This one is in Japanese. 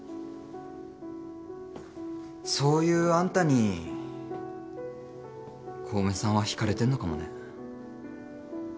そういうあんたに小梅さんは引かれてんのかもね。